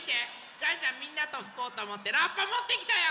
ジャンジャンみんなとふこうとおもってラッパもってきたよ！